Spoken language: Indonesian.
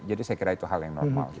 jadi saya kira itu hal yang normal gitu ya